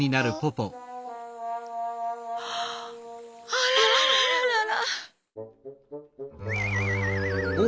あらららららら。